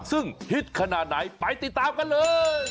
ซึ่งฮิตขนาดไหนไปติดตามกันเลย